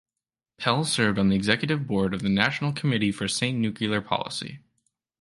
Pell served on the executive board of the National Committee for Sane Nuclear Policy.